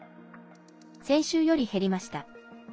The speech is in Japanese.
先週より減りました。